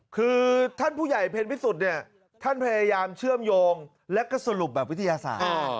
คือท่านผู้ใหญ่เพ็ญพิสุทธิ์เนี่ยท่านพยายามเชื่อมโยงและก็สรุปแบบวิทยาศาสตร์